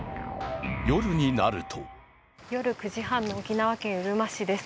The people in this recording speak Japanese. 夜になると夜９時半の沖縄県うるま市です。